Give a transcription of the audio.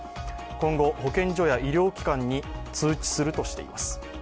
今後、保健所や医療機関に通知するとしています。